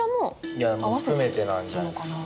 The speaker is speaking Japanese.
いやもう含めてなんじゃないですかね。